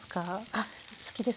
あっ好きですね。